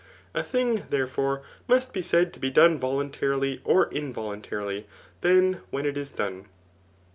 A thing, there fore, must be said to be done voluntarily or involuntarily, fhen when it is done.